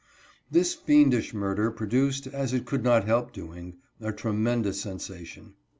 This fiendish murder produced, as it could not help doing, a tremendous sensation.